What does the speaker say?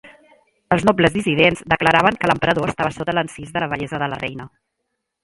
Els nobles dissidents declaraven que l'emperador estava sota l'encís de la bellesa de la reina.